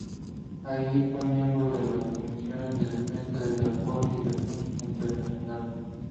Allí fue miembro de las comisiones de defensa, de transporte y de asuntos internacionales.